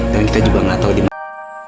dan kita juga gak tau dimana